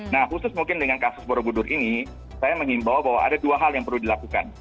nah khusus mungkin dengan kasus borobudur ini saya mengimbau bahwa ada dua hal yang perlu dilakukan